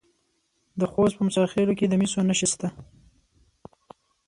د خوست په موسی خیل کې د مسو نښې شته.